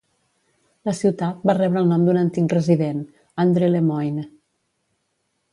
La ciutat va rebre el nom d'un antic resident, Andre LeMoyne.